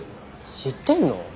知ってんの？